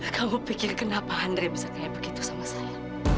kamu pikir kenapa andre bisa kayak begitu sama saya